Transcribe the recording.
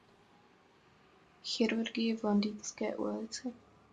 Chirurgii v Londýnské ulici.